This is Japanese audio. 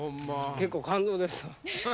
結構感動ですわ。